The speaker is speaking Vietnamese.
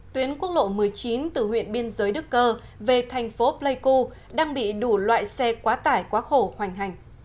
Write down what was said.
tuyến quốc lộ một mươi chín từ huyện biên giới đức cơ về thành phố pleiku đang bị đủ loại xe quá tải quá khổ hoành hành